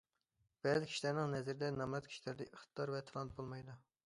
بەزى كىشىلەرنىڭ نەزىرىدە نامرات كىشىلەردە ئىقتىدار ۋە تالانت بولمايدۇ.